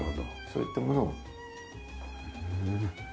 そういったものを。